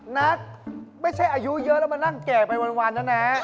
นัทไม่ใช่อายุเยอะแล้วมานั่งแก่ไปวันนะนะ